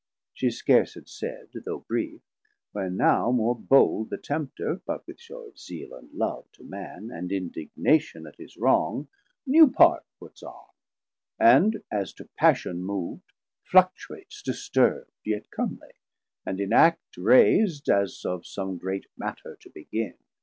She scarse had said, though brief, when now more bold The Tempter, but with shew of Zeale and Love To Man, and indignation at his wrong, New part puts on, and as to passion mov'd, Fluctuats disturbd, yet comely, and in act Rais'd, as of som great matter to begin.